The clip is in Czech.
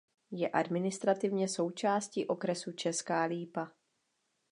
Je administrativně součástí okresu Česká Lípa.